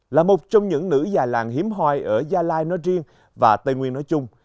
là một trong những nữ gia làng hiếm hoài ở gia lai nói riêng và tây nguyên nói chung